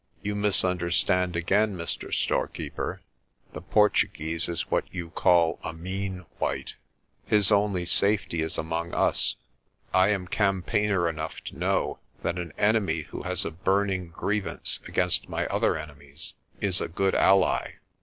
"You misunderstand again, Mr. Storekeeper. The Por tuguese is what you call a 'mean white.' His only safety is among us. I am campaigner enough to know that an enemy who has a burning grievance against my other enemies is a good ally.